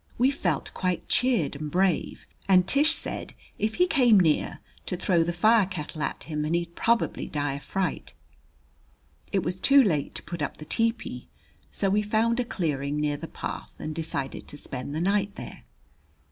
We felt quite cheered and brave, and Tish said if he came near to throw the fire kettle at him and he'd probably die of fright. It was too late to put up the tepee, so we found a clearing near the path and decided to spend the night there.